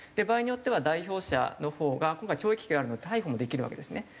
場合によっては代表者のほうが今回懲役刑があるので逮捕もできるわけですね。